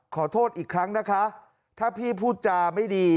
ขอโทษอีกครั้งนะคะถ้าพี่พูดจาไม่ดี